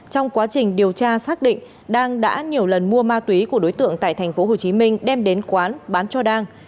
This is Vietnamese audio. trong quá trình điều tra xác định đang đã nhiều lần mua ma túy của đối tượng tại tp hcm đem đến quán bán cho đang